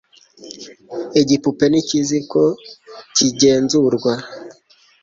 Igipupe ntikizi ko kigenzurwa